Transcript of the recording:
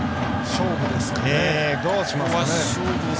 勝負ですかね。